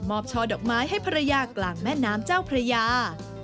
ช่อดอกไม้ให้ภรรยากลางแม่น้ำเจ้าพระยา